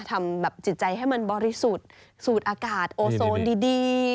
ทำแบบจิตใจให้มันบริสุทธิ์สูดอากาศโอโซนดี